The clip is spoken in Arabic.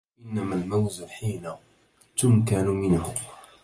إنما الموزُ حين تُمْكَنُ منهُ